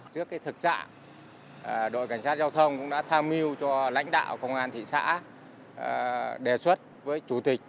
trước thực trạng đội cảnh sát giao thông cũng đã tham mưu cho lãnh đạo công an thị xã đề xuất với chủ tịch